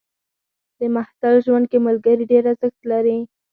د محصل ژوند کې ملګري ډېر ارزښت لري.